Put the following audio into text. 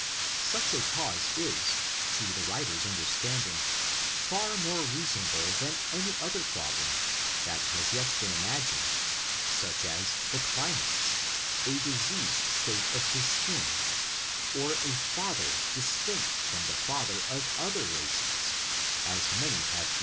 Such a cause is, to the writer's understanding, far more rea sonable than any other problem, that as yet has been imagined; such as the climates, a diseased state of the skin, or a father distinct from the father of the other races, as many have believed.